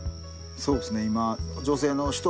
そうですね今。